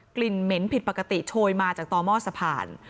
เหม็นผิดปกติโชยมาจากต่อหม้อสะพาน